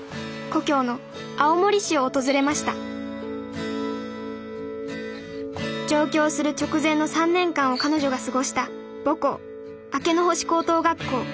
故郷の青森市を訪れました上京する直前の３年間を彼女が過ごした母校明の星高等学校。